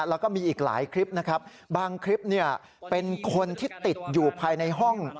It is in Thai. แล้วก็มีอีกหลายคลิปนะครับบางคลิปเนี่ยเป็นคนที่ติดอยู่ภายในห้อง